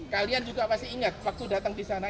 kalian juga pasti ingat waktu datang di sana